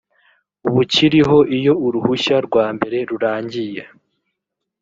bukiriho iyo uruhushya rwa mbere rurangiye